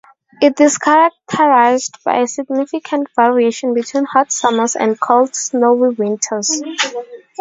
It is characterized by a significant variation between hot summers and cold, snowy winters.